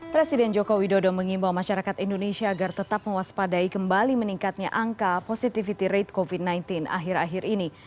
presiden joko widodo mengimbau masyarakat indonesia agar tetap mewaspadai kembali meningkatnya angka positivity rate covid sembilan belas akhir akhir ini